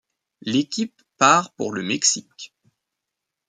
L'équipe part pour le Mexique.